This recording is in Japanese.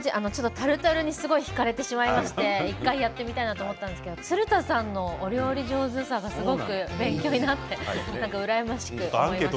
タルタルにすごく引かれてしまって１回やってみたいと思ったんですけど鶴田さんの、お料理上手さがすごく勉強になって羨ましく。